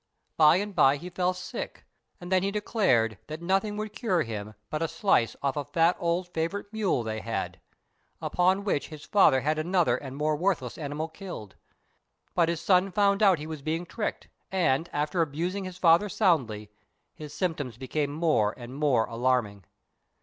By and by he fell sick, and then he declared that nothing would cure him but a slice off a fat old favourite mule they had; upon which his father had another and more worthless animal killed; but his son found out he was being tricked, and, after abusing his father soundly, his symptoms became more and more alarming.